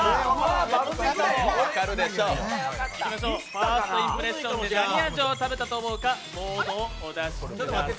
ファーストインプレッションで何味を食べたと思うかボードをお出しください。